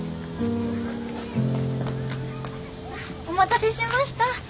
お待たせしました。